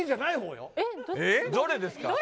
どれですか？